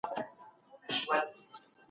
کمپيوټر انځور رسموي.